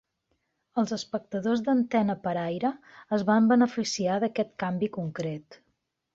Els espectadors d'antena per aire es van beneficiar d'aquest canvi concret.